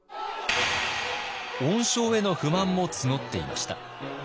恩賞への不満も募っていました。